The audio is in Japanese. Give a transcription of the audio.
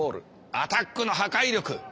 アタックの破壊力。